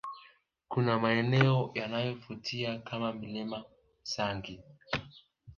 Kuna maeneo yanayovutia kama milimani Usangi